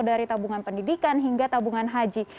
dari tabungan pendidikan hingga tabungan haji